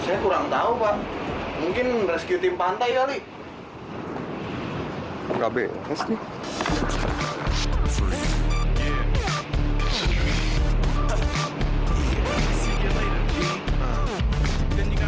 aku yakin ini pasti ada yang ngerjain kita